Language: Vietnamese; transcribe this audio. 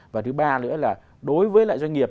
và thứ ba nữa là đối với lại doanh nghiệp